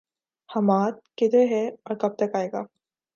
حماد، کدھر ہے اور کب تک آئے گا؟